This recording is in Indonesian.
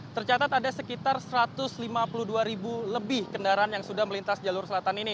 tercatat ada sekitar satu ratus lima puluh dua ribu lebih kendaraan yang sudah melintas jalur selatan ini